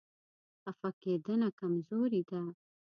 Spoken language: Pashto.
خفه کېدنه کمزوري ده.